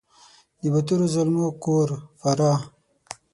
د باتورو زلمو کور فراه !